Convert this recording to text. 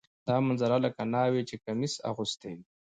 دا منظره لکه ناوې چې کمیس اغوستی وي.